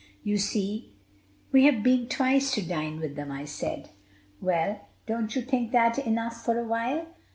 "You see, we have been twice to dine with them," I said. "Well, don't you think that enough for a while?"